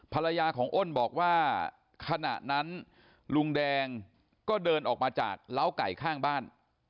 ภรรยาของอ้นบอกว่าขณะนั้นลุงแดงก็เดินออกมาจากเล้าไก่ข้างบ้าน